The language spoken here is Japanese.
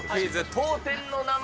当店の名前！